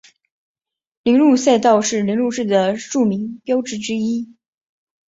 铃鹿赛道是铃鹿市的著名标志之一。